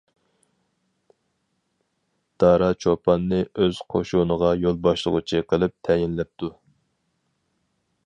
دارا چوپاننى ئۆز قوشۇنىغا يول باشلىغۇچى قىلىپ تەيىنلەپتۇ.